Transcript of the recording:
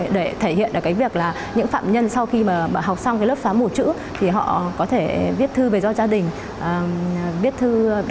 để thể hiện được việc là những phạm nhân sau khi học xong lớp xóa mù chữ thì họ có thể viết thư về cho gia đình